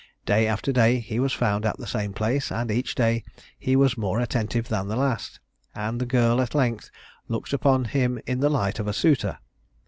Day after day he was found at the same place, and each day he was more attentive than the last; and the girl at length looked upon him in the light of a suitor.